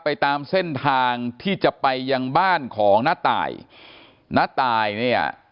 ไปตามเส้นทางที่จะไปยังบ้านของน้าตายน้าตายเนี่ย